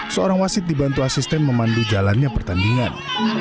seorang wasit dibantu asisten memandu jalannya pertandingan